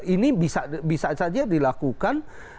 ini bisa saja dilakukan